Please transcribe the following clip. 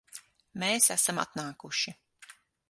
Mēs esam atnākuši